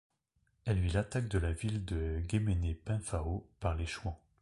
Elle vit l'attaque de la ville de Guémené-Penfao par les Chouans.